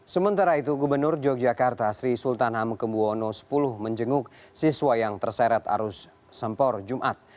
sementara itu gubernur yogyakarta sri sultan hamekembuono x menjenguk siswa yang terseret arus sempor jumat